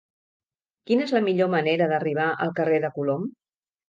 Quina és la millor manera d'arribar al carrer de Colom?